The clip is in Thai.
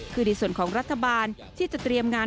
คือในส่วนของรัฐบาลที่จะเตรียมงาน